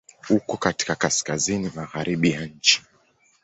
Uko katika kaskazini-magharibi ya nchi.